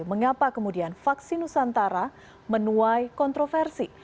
mengapa kemudian vaksin nusantara menuai kontroversi